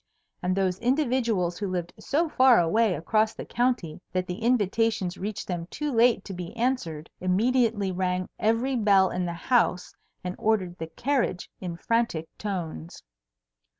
And those individuals who lived so far away across the county that the invitations reached them too late to be answered, immediately rang every bell in the house and ordered the carriage in frantic tones.